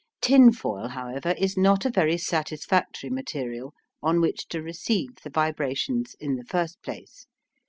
Tinfoil, however, is not a very satisfactory material on which to receive the vibrations in the first place.